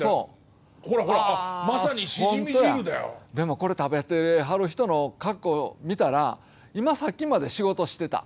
でもこれ食べてはる人の格好を見たら今さっきまで仕事してた。